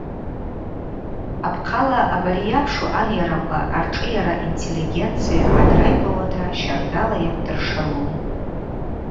Апхъала абари йапшу анйараква аршӏыйара интеллигенция гӏадрайгвауата щардала йакӏвдыршалун.